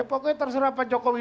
pokoknya terserah pak jokowi